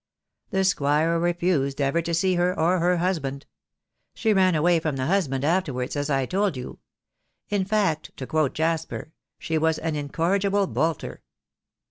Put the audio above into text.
The squire refused ever to see her or her husband. She ran away from the husband afterwards, as I told you. In fact, to quote Jasper, she was an incorrigible bolter."